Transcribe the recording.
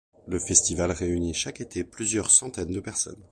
Le festival réunit chaque été plusieurs centaines de personnes.